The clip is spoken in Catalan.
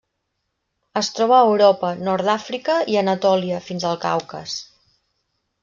Es troba a Europa, nord d'Àfrica i Anatòlia fins al Caucas.